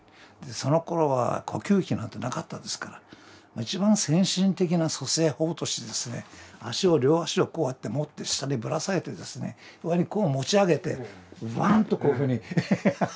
そのころは呼吸器なんてなかったですから一番先進的な蘇生法としてですね両足をこうやって持って下にぶらさげてですね上にこう持ち上げてバンとこういうふうに。